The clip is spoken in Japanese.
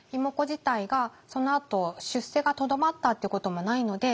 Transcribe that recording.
自体がそのあと出世がとどまったっていうこともないので。